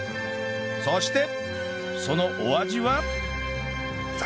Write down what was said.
そしてそのお味は